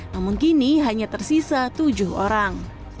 namun kini hanya tersisa tujuh orang